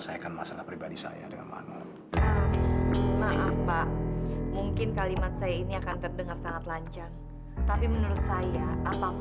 sampai jumpa di video selanjutnya